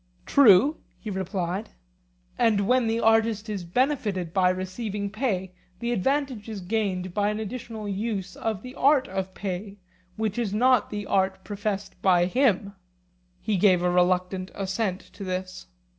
True, he replied. And when the artist is benefited by receiving pay the advantage is gained by an additional use of the art of pay, which is not the art professed by him? He gave a reluctant assent to this.